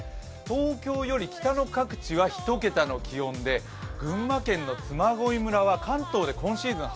東京より北の各地は１桁の気温で、群馬県の嬬恋村は関東で今シーズン